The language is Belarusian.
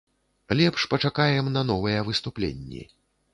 Лепш пачакаем на новыя выступленні.